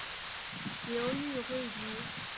流寓会稽。